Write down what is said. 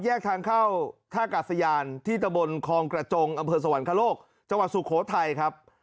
แยกทางเข้าท่ากาศยานที่ตะบนคลองกระจงอำเภอสวรรคโลกจังหวัดสุโขทัยครับ